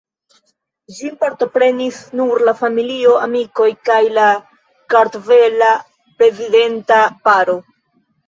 Ĝin partoprenis nur la familio, amikoj kaj la kartvela prezidenta paro.